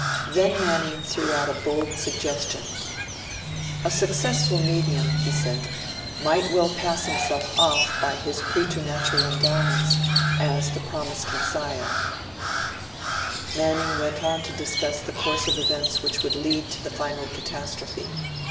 Then Manning threw out a bold suggestion. 'A successful medium,' he said, 'might well pass himself off by his preternatural endowments as the promised Messiahs.' Manning went on to discuss the course of events which would lead to the final catastrophe.